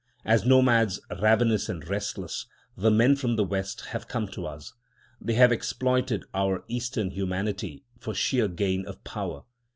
As nomads, ravenous and restless, the men from the West have come to us. They have exploited our Eastern humanity for sheer gain of power.